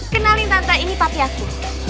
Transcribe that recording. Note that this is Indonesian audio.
kenalin tante ini papi aku